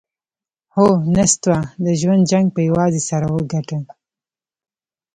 هو، نستوه د ژوند جنګ پهٔ یوازې سر وګاټهٔ!